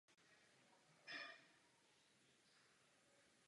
To je princip.